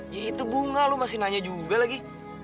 ya itu bunga lo masih nanya juga lagi